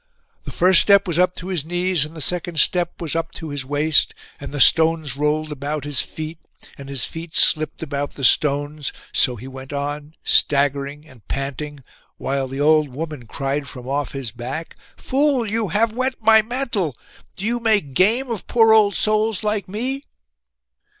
The first step was up to his knees, and the second step was up to his waist; and the stones rolled about his feet, and his feet slipped about the stones; so he went on staggering, and panting, while the old woman cried from off his back— 'Fool, you have wet my mantle! Do you make game of poor old souls like me?